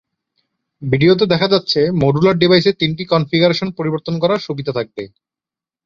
ভিডিওতে দেখা যাচ্ছে মডুলার ডিভাইসে তিনটি কনফিগারেশন পরিবর্তন করার সুবিধা থাকবে।